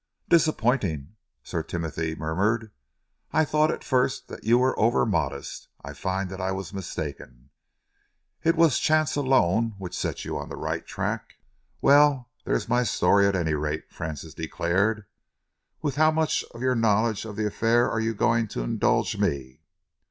"Disappointing," Sir Timothy murmured. "I thought at first that you were over modest. I find that I was mistaken. It was chance alone which set you on the right track." "Well, there is my story, at any rate," Francis declared. "With how much of your knowledge of the affair are you going to indulge me?"